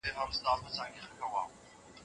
هر انسان غواړي چي لوړو پوړيو ته ورسيږي.